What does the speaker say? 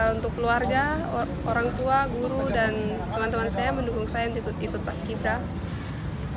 untuk keluarga orang tua guru dan teman teman saya mendukung saya untuk ikut paskibra